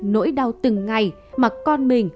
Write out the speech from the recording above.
nỗi đau từng ngày mà con mình